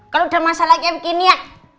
kalo udah masalah kayak begini ya